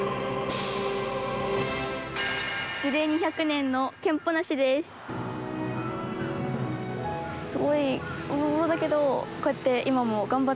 樹齢２００年のケンポナシです。